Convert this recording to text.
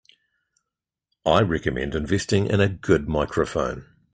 I recommend investing in a good microphone.